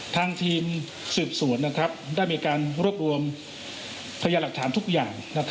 ทางทีมสืบสวนได้มีการรวบรวมพยาหลักฐานทุกอย่าง